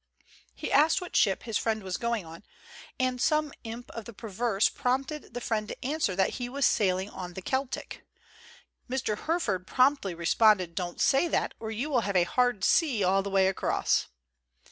He asked what ship his friend was going on, and some imp of the perverse prompted the friend to answer that he was sailing on the " Keltic." Mr. Herford promptly responded, "Don't say that, or you will have a hard C all the way across!"